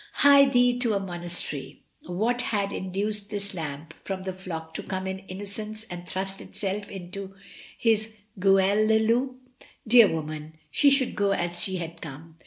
Hie thee to a monastery! What had induced this lamb from the flock to come in innocence and thrust itself into his gueule de loup? Dear woman, she should go as she had come.